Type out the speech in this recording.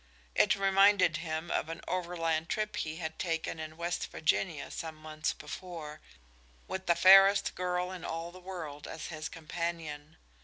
It reminded him of an overland trip he had taken in West Virginia some months before, with the fairest girl in all the world as his companion.